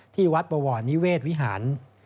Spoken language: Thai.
ที่วัดบวรนิเวศวิหาร